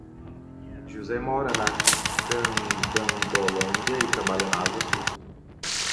José mora na Candangolândia e trabalha na Asa Sul.